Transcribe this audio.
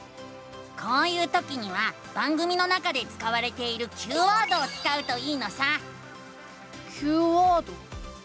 こういうときには番組の中で使われているＱワードを使うといいのさ！